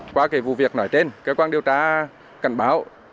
qua cái vụ việc nói trên cơ quan điều tra cảnh báo